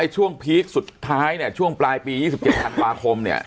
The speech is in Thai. ไอ้ช่วงพีคสุดท้ายเนี้ยช่วงปลายปียี่สิบเฉพาะคมเนี้ย